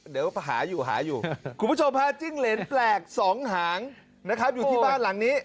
เดี๋ยวหาอยู่หาอยู่คุณผู้ชมฮะจิ้งเหรนแปลกสองหางนะครับอยู่ที่บ้านหลังนี้